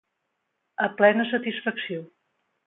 A plena satisfacció.